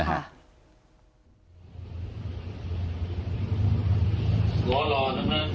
หล่อหล่อสำเร็จการเรียบร้อย